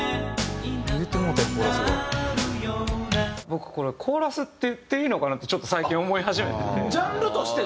僕これコーラスって言っていいのかな？ってちょっと最近思い始めてて。